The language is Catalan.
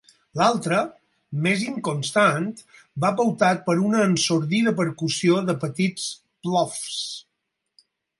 L'altre, més inconstant, va pautat per una ensordida percussió de petits plofs.